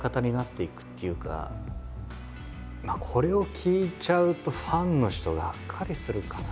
これを聞いちゃうとファンの人がっかりするかな？